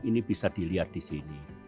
ini bisa dilihat di sini